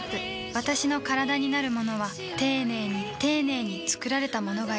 私のカラダになるものは丁寧に丁寧に作られたものがいい